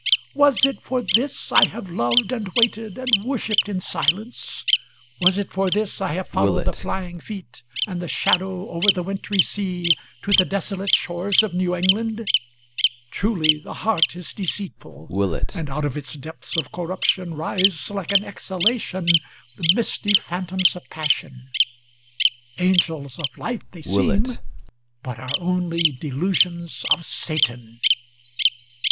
Was it for this I have loved, and waited, and worshipped in silence? Was it for this I have followed the flying feet and the shadow Over the wintry sea, to the desolate shores of New England? Truly the heart is deceitful, and out of its depths of corruption Rise, like an exhalation, the misty phantoms of passion; Angels of light they seem, but are only delusions of Satan.